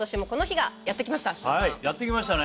はいやって来ましたね。